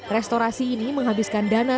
restorasi ini menghabiskan dana